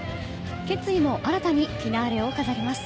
決意も新たにフィナーレを飾ります。